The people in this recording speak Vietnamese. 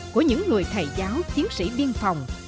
của những người thầy giáo chiến sĩ biên phòng